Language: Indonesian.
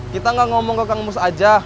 kita gak ngomong ke kang mus aja